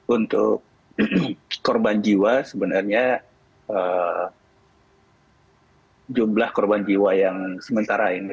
untuk korban jiwa sebenarnya jumlah korban jiwa yang sementara ini